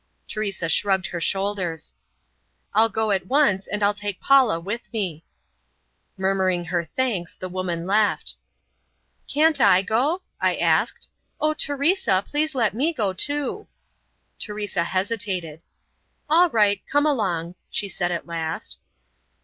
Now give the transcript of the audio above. Teresa shrugged her shoulders. "I'll go at once, and I'll take Paula with me." Murmuring her thanks, the woman left. "Can't I go?" I said. "Oh, Teresa, please let me go too." Teresa hesitated. "All right, come along!" she said at last.